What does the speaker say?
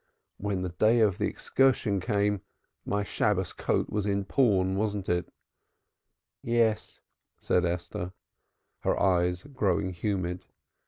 When the day of the excursion came my Shabbos coat was in pawn, wasn't it?" "Yes," said Esther, her eyes growing humid.